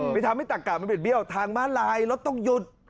ไปทำให้ตักกะมันเป็นเบี้ยวทางม้าลายรถต้องหยุด